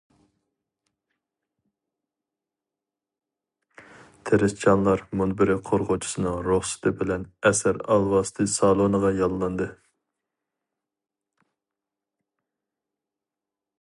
تىرىشچانلار مۇنبىرى قۇرغۇچىسىنىڭ رۇخسىتى بىلەن ئەسەر ئالۋاستى سالونىغا يوللاندى.